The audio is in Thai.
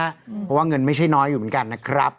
เพราะว่าเงินไม่ใช่น้อยอยู่เหมือนกันนะครับ